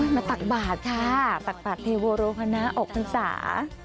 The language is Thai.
มาตักบาทค่ะตักบาทเทวโรพนาออกปรรษา